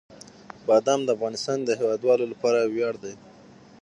بادام د افغانستان د هیوادوالو لپاره یو ویاړ دی.